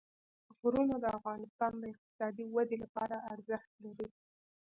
غرونه د افغانستان د اقتصادي ودې لپاره ارزښت لري.